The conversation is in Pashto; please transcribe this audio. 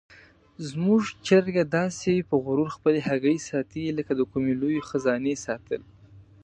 زموږ چرګه داسې په غرور خپلې هګۍ ساتي لکه د کومې لویې خزانې ساتل.